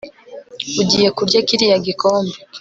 Ugiye kurya kiriya gikombe